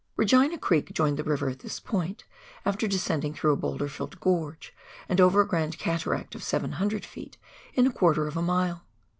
Regina Creek joined the river at this point — after descending through a boulder filled gorge, and over a grand cataract of 700 ft. in a quarter of a mile.